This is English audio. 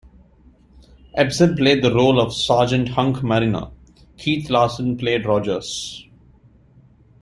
Ebsen played the role of Sergeant Hunk Marriner; Keith Larsen played Rogers.